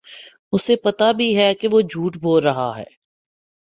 اُسے پتہ بھی ہے کہ وہ جھوٹ بول رہا ہے